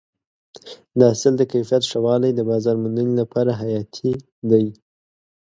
د حاصل د کیفیت ښه والی د بازار موندنې لپاره حیاتي دی.